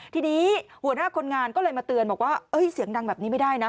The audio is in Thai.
ทีนี้หัวหน้าคนงานก็เลยมาเตือนบอกว่าเสียงดังแบบนี้ไม่ได้นะ